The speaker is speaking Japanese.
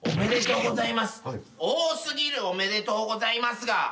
「おめでとうございます」が。